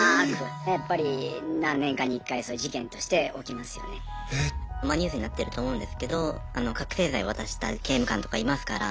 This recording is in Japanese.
まあニュースになってると思うんですけど覚醒剤渡した刑務官とかいますから。